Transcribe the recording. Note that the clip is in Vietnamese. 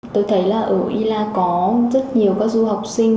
tôi thấy là ở ila có rất nhiều các du học sinh